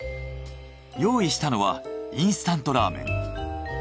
用意したのはインスタントラーメン。